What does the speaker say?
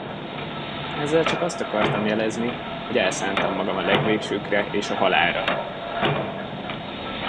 Ezzel csak azt akartam jelezni, hogy elszántam magam a legvégsőkre és a halálra.